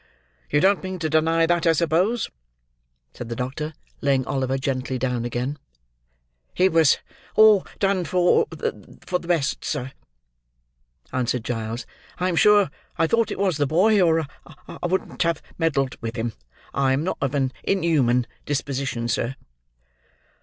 "You don't mean to deny that, I suppose?" said the doctor, laying Oliver gently down again. "It was all done for the—for the best, sir," answered Giles. "I am sure I thought it was the boy, or I wouldn't have meddled with him. I am not of an inhuman disposition, sir."